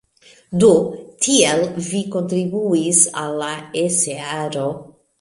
Do, tiel vi kontribuis al la esearo!